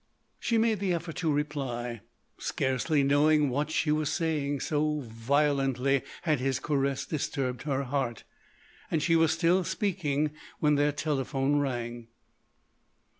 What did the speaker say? She made the effort to reply, scarcely knowing what she was saying, so violently had his caress disturbed her heart,—and she was still speaking when their telephone rang.